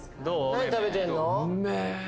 何食べてんの？